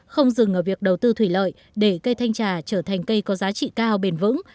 không dừng ở việc đầu tư thủy lợi để cây thanh trà trở thành cây có giá trị cao bền vững